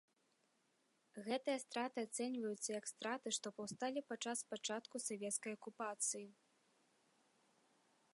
Гэтыя страты ацэньваюцца як страты, што паўсталі падчас пачатку савецкай акупацыі.